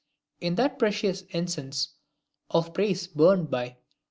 In that precious incense of praise burned by M.